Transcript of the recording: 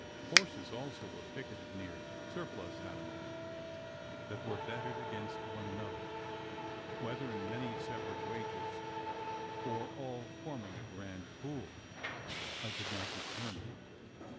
Horses also were picketed near surplus animals that were betted against one another: whether in many separate wagers, or all forming a grand "pool," I could not determine.